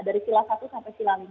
dari sila satu sampai sila lima